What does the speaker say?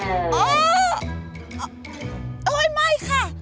โอ้โอ้ยไม่ค่ะ